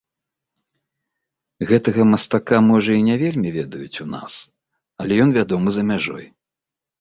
Гэтага мастака можа і не вельмі ведаюць у нас, але ён вядомы за мяжой.